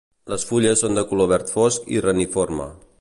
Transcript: Les fulles són de color verd fosc i reniforme.